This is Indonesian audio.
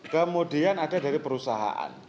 kemudian ada dari perusahaan